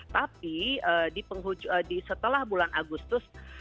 tapi setelah bulan agustus